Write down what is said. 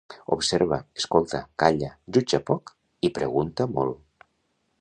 Observa, escolta, calla, jutja poc i pregunta molt.